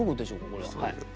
これは。